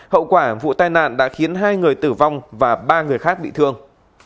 hậu quả vụ tai nạn đã khiến hai người tử vong và ba người khác bị thương